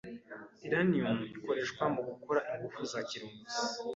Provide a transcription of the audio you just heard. Uranium ikoreshwa mugukora ingufu za kirimbuzi.